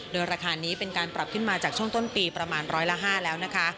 โดยราคานี้เป็นการปรับขึ้นมาจากช่วงต้นปีประมาณร้อยละ๕แล้วนะคะ